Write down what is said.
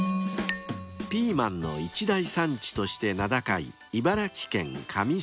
［ピーマンの一大産地として名高い］